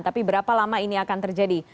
tapi berapa lama ini akan terjadi